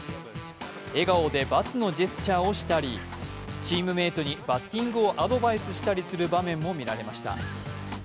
笑顔でバツのジェスチャーをしたりチームメートにバッティングをアドバイスしたりする場面も見られました。